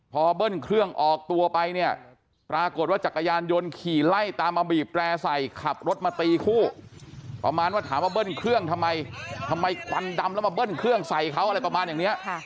พอเบิ้ลเครื่องออกตัวไปเนี่ยปรากฏว่าจักรยานยนต์ขี่ไล่ตามมาบีบแร่ใส่ขับรถมาตีคู่ประมาณว่าถามว่าเบิ้ลเครื่องทำไมทำไมควันดำแล้วมาเบิ้ลเครื่องใส่เขาอะไรประมาณอย่างนี้